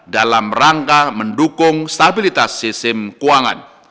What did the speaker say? dalam rangka mendukung stabilitas sistem keuangan